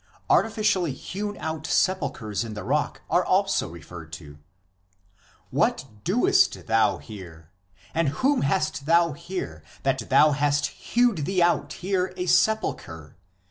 Arti ficially hewn out sepulchres in the rock are also referred to :" What doest thou here ? And whom hast thou here, that thou hast hewed thee out here a sepulchre